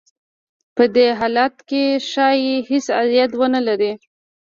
په دې حالت کې ښايي هېڅ عاید ونه لري